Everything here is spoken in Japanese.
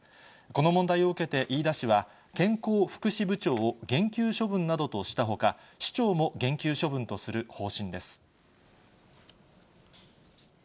この問題を受けて、飯田市は、健康福祉部長を減給処分などとしたほか、市長も減給処分とする方